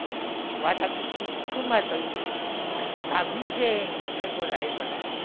私クマという旅芸人でございます。